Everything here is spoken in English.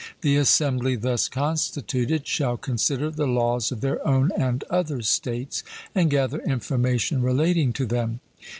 The assembly thus constituted shall consider the laws of their own and other states, and gather information relating to them.